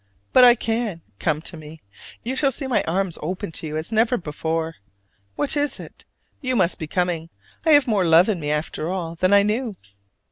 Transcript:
But I can: come to me! You shall see my arms open to you as never before. What is it? you must be coming. I have more love in me after all than I knew.